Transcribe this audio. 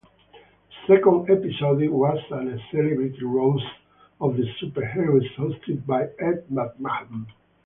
The second episode was a celebrity roast of the superheroes hosted by Ed McMahon.